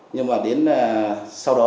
nhưng mà đến sau đó